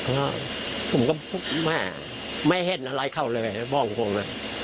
แล้วผมก็ไม่เห็นอะไรเข้าเลยบ้องคง